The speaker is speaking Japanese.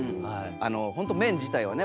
本当麺自体はね